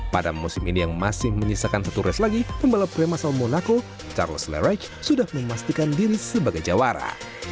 pada musim ini yang masih menyisakan satu race lagi pembalap krem asal monaco charles lerej sudah memastikan diri sebagai jawara